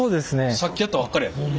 さっきやったばっかりやもん。